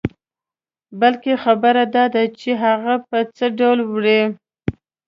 بلکې خبره داده چې هغه په څه ډول وړې.